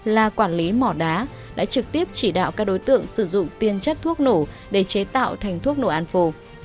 là quản lý mỏ đá đã trực tiếp chỉ đạo các đối tượng sử dụng tiền chất thuốc nổ để chế tạo thành thuốc nổ an phổ